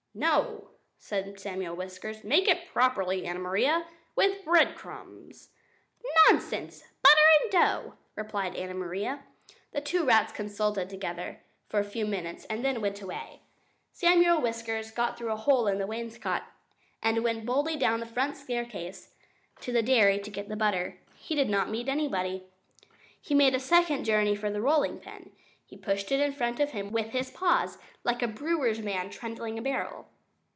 "No," said Samuel Whiskers, "make it properly, Anna Maria, with breadcrumbs." "Nonsense! Butter and dough," replied Anna Maria. The two rats consulted together for a few minutes and then went away. Samuel Whiskers got through a hole in the wainscot and went boldly down the front staircase to the dairy to get the butter. He did not meet anybody. He made a second journey for the rolling pin. He pushed it in front of him with his paws, like a brewer's man trundling a barrel.